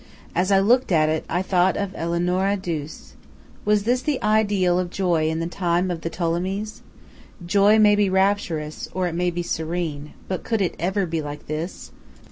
As I looked at it, I thought of Eleanora Duse. Was this the ideal of joy in the time of the Ptolemies? Joy may be rapturous, or it may be serene; but could it ever be like this?